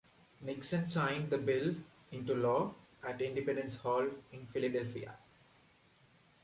Nixon signed the bill into law at Independence Hall in Philadelphia.